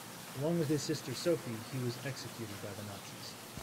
Along with his sister Sophie, he was executed by the Nazis.